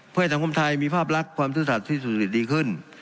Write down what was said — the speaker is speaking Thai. เพื่อให้สังคมไทยมีภาพลักษณ์ความธุรกิจที่สูงสุดดีขึ้น